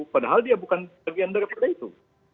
padahal dia bukan bagian daripada itu